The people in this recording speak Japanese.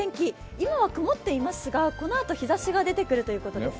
今は曇っていますが、このあと日差しが出てくるということですか。